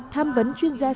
tham vấn chuyên gia xã hội